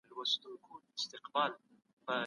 موږ باید د رښتينو پوهانو درناوی وکړو.